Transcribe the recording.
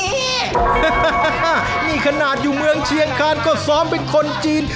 นี่ขนาดอยู่เมืองเชียงคานก็ซ้อมเป็นคนจีน